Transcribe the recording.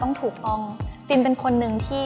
บางทีการเราเอาอารมณ์ของเราไปใส่ในเนื้อเรื่องมากเกินไป